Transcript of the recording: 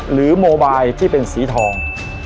หรือโมบายที่เป็นสีทอง